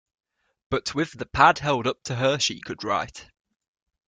But with the pad held up to her she could write.